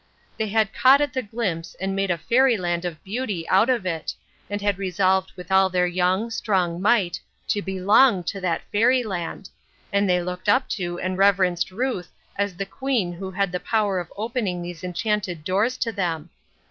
They had caught at the glimpse and made a fairyland of beauty out of it, and had resolved with all their young, strong might to " belong " to that fairyland, and they looked up to and reverenced Ruth as the queen who had the power of opening these en chanted doors to them.